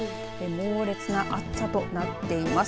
猛烈な暑さとなっています。